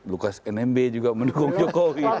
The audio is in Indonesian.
lukas nmb juga mendukung jokowi